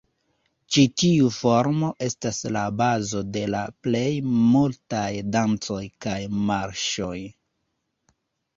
Ĉi tiu formo estas la bazo de la plej multaj dancoj kaj marŝoj.